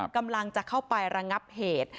กำลังจะเข้าไประงับเหตุ